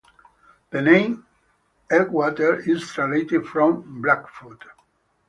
The name "Elkwater" is translated from Blackfoot.